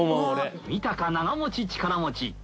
見たか長持ち力持ち。